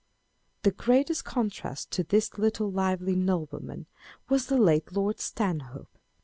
The greatest contrast to this little lively nobleman was the late Lord Stanhope.